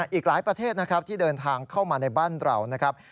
อีกหลายประเทศนะครับที่เดินทางเข้ามาในบ้านเรานะครับ